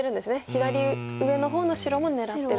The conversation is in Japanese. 左上の方の白も狙ってると。